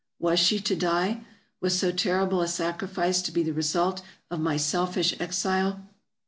Was she to die ? Was so terrible a sacrifice to be the result of my selfish exile